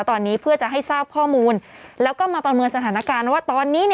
ตอนนี้เพื่อจะให้ทราบข้อมูลแล้วก็มาประเมินสถานการณ์ว่าตอนนี้